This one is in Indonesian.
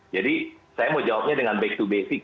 jadi saya mau jawabnya dengan back to basic